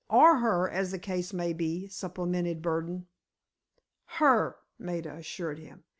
"Or her, as the case may be," supplemented Burdon. "Her," Maida assured him.